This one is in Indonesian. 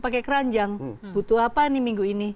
pakai keranjang butuh apa nih minggu ini